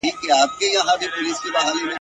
دېوال نم زړوي خو انسان غم زړوي !.